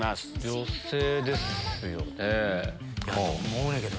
女性ですよね。